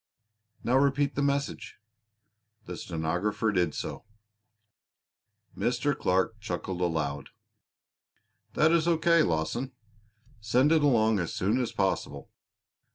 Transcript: "Now repeat the message." The stenographer did so. Mr. Clark chuckled aloud. "That is O. K., Lawson. Send it along as soon as possible.